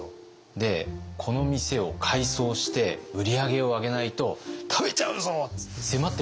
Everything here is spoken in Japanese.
で「この店を改装して売り上げを上げないと食べちゃうぞ！」って迫ってくるんです。